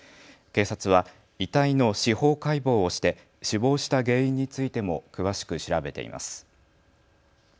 警察は遺体の司法解剖をして死亡した原因についても詳しく調べています。